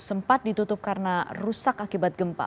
sempat ditutup karena rusak akibat gempa